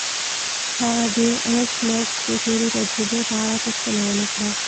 هغه د ایس میکس د تیرو تجربو په اړه پوښتنه ونه کړه